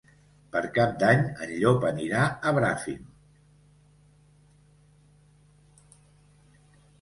Per Cap d'Any en Llop anirà a Bràfim.